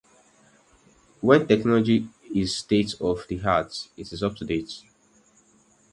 When technology is state-of-the-art, it is up-to-date.